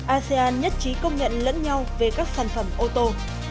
asean nhất trí công nhận lẫn nhau về các sản phẩm ô tô